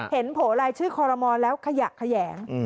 เห็นโผล่ลายชื่อคอลโลมอนแล้วขยะแขย่ง